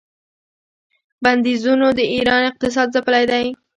بندیزونو د ایران اقتصاد ځپلی دی.